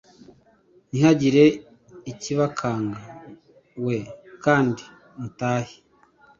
Ntihagire ikibakanga we kandi mutahe